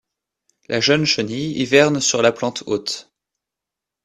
La jeune chenille hiverne sur la plante hôte.